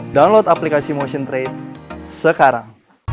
download aplikasi motion trade sekarang